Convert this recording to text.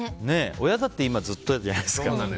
親だって今ずっとじゃないですか。